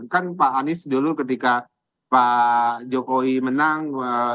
kan pak anies dulu ketika pak jokowi menang